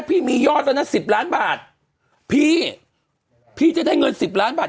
พี่มียอดแล้วนะสิบล้านบาทพี่พี่จะได้เงินสิบล้านบาท